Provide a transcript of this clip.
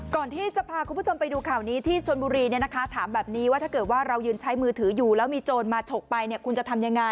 ก่อนที่จะพาคุณผู้ชมไปดูข่าวนี้ที่ชนบุรีเนี่ยนะคะถามแบบนี้ว่าถ้าเกิดว่าเรายืนใช้มือถืออยู่แล้วมีโจรมาฉกไปเนี่ยคุณจะทำยังไง